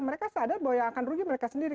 mereka sadar bahwa yang akan rugi mereka sendiri